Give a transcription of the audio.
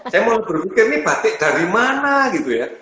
saya mau berpikir ini batik dari mana gitu ya